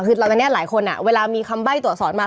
คือตอนนี้หลายคนเวลามีคำใบ้ตัวอสอนมา